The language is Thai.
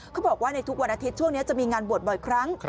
เขาบอกว่าในทุกวันอาทิตย์ช่วงนี้จะมีงานบวชบ่อยครั้ง